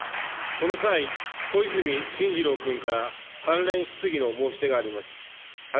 この際、小泉進次郎君から関連質疑の申し出があります。